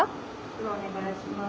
袋お願いします。